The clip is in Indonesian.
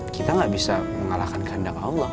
kita gak bisa mengalahkan kehendak allah